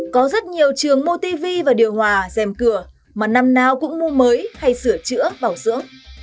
có rất nhiều trường mua tv và điều hòa dèm cửa mà năm nào cũng mua mới hay sửa chữa bảo sữa